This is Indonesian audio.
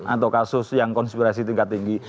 atau kasus yang konspirasi tingkat tinggi